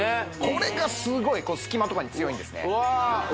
これがすごい隙間とかに強いんですね